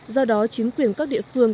do đó chính quyền các địa phương